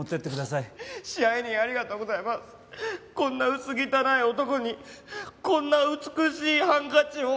こんな薄汚い男にこんな美しいハンカチを。